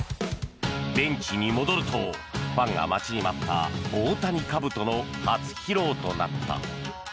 ベンチに戻るとファンが待ちに待った大谷かぶとの初披露となった。